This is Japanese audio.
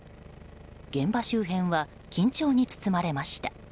現場周辺は緊張に包まれました。